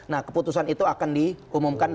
nah keputusan itu akan diumumkan